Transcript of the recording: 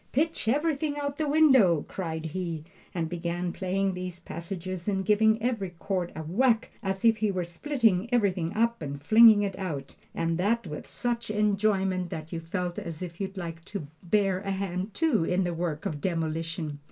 "Pitch everything out of the window!" cried he, and began playing these passages and giving every chord a whack as if he were splitting everything up and flinging it out, and that with such enjoyment that you felt as if you'd like to bear a hand, too, in the work of demolition!